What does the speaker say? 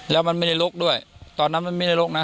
แล้วมันไม่ได้ลุกด้วยตอนนั้นมันไม่ได้ลุกนะ